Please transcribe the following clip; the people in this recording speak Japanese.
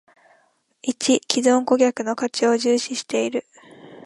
① 既存顧客の価値を重視している